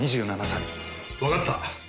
わかった。